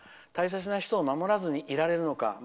大切な人を守らずにいられるのか。